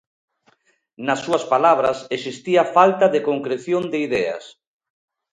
Nas súas palabras existía falta de concreción de ideas.